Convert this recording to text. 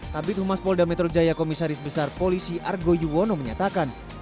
kabit humas polda metro jaya komisaris besar polisi argo yuwono menyatakan